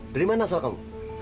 dari mana asal kamu